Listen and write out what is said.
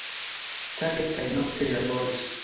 Tage kaj nokte li laboris.